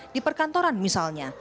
di perkantoran misalnya